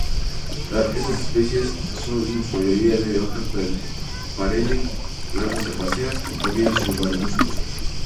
Estas especies son en su mayoría de hoja perenne, plantas herbáceas o pequeños subarbustos.